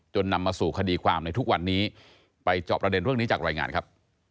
นำมาสู่คดีความในทุกวันนี้ไปจอบประเด็นเรื่องนี้จากรายงานครับ